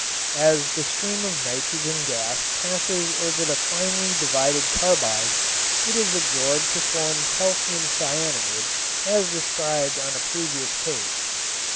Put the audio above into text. As the stream of nitrogen gas passes over the finely divided carbide it is absorbed to form calcium cyanamid as described on a previous page.